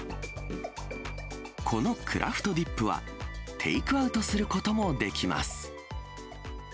このクラフトディップは、テイクアウトすることもできます。